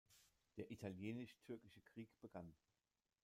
Der Italienisch-Türkische Krieg begann.